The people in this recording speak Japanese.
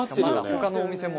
他のお店も。